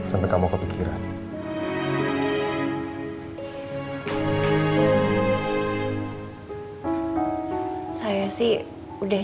apa ini soal kemarin yang saya ceritakan